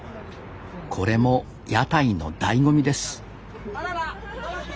これも屋台のだいご味です